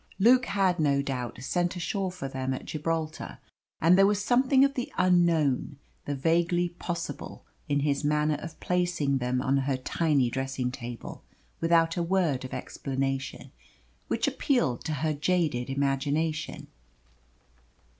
Luke had, no doubt, sent ashore for them at Gibraltar and there was something of the unknown, the vaguely possible, in his manner of placing them on her tiny dressing table, without a word of explanation, which appealed to her jaded imagination.